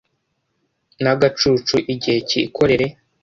n’agacucu igihe cy’icyokere.